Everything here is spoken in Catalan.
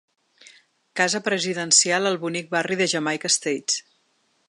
Casa presidencial al bonic barri de Jamaica Estates.